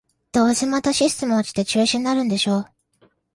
どうせまたシステム落ちて中止になるんでしょ